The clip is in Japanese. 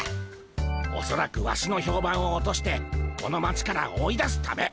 おそらくワシの評判を落としてこの町から追い出すため。